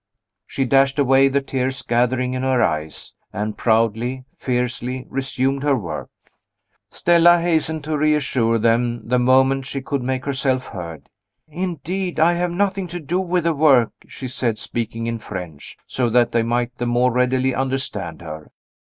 She dashed away the tears gathering in her eyes, and proudly, fiercely, resumed her work. Stella hastened to reassure them, the moment she could make herself heard. "Indeed, I have nothing to do with the work," she said, speaking in French, so that they might the more readily understand her.